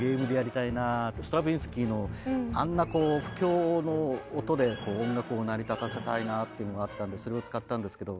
ストラヴィンスキーのあんな不協の音で音楽を成り立たせたいなっていうのがあったんでそれを使ったんですけど